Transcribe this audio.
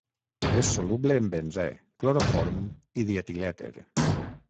És soluble en benzè, cloroform i dietilèter.